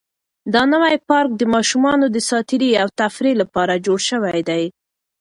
دا نوی پارک د ماشومانو د ساتیرۍ او تفریح لپاره جوړ شوی دی.